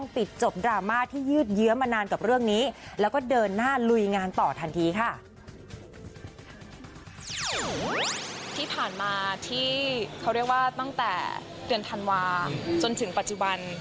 ที่ผ่านมาที่เขาเรียกว่าตั้งแต่เดือนธันวาจนถึงปัจจุบัน